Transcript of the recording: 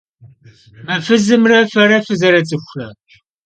Mı fızımre fere fızerıts'ıxuxere?